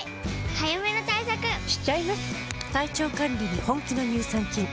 早めの対策しちゃいます。